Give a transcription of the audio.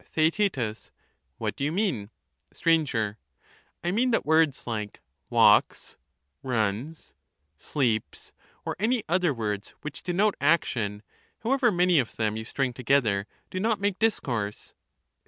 Theaet. What do you mean ? Str. I mean that words like 'walks,' 'runs,' 'sleeps,' or any other words which denote action, however many of them you string together, do not make discourse.